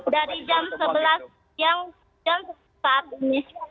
dari jam sebelas siang jam saat ini